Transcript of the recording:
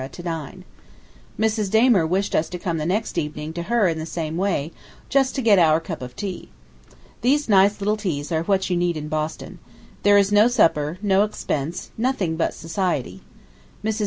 to dine. ... Mrs. Damer wished us to come the next evening to her in the same way, just to get our cup of tea. These nice little teas are what you need in Boston. There is no supper, no expense, nothing but society. Mrs.